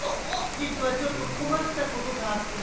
じつはちょっとこまったことがあってね。